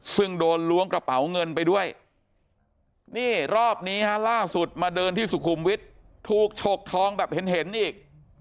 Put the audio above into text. ซึ่งโดนล้วงกระเป๋าเงินไปด้วยนี่รอบนี้ฮะล่าสุดมาเดินที่สุขุมวิทย์ถูกฉกทองแบบเห็นอีก